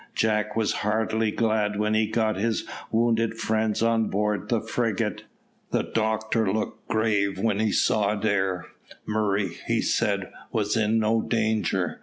Jack was heartily glad when he got his wounded friends on board the frigate. The doctor looked grave when he saw Adair. Murray, he said, was in no danger.